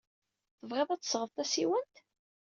Tebɣiḍ ad d-tesɣeḍ tasiwant?